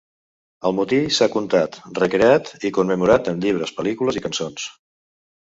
El motí s'ha contat, recreat i commemorat en llibres, pel·lícules i cançons.